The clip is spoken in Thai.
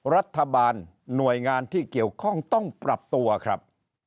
รัฐบาลหน่วยงานที่เกี่ยวข้องต้องปรับตัวครับ